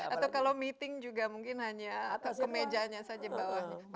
atau kalau meeting juga mungkin hanya atau kemejanya saja bawahnya